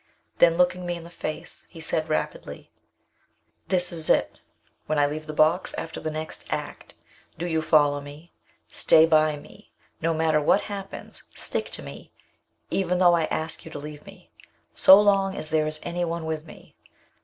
Then, looking me in the face, he said rapidly: "This is it. When I leave the box, after the next act, do you follow me. Stay by me, no matter what happens. Stick to me, even though I ask you to leave me, so long as there is any one with me.